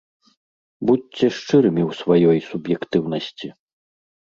Будзьце шчырымі ў сваёй суб'ектыўнасці.